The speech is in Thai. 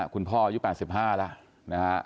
คุณพ่อยู่อัน๘๕น้อยแล้ว